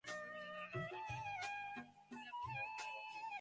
এরা প্রচুর অন্যায় করেছে, সেই জন্যেই এ-সব বলে।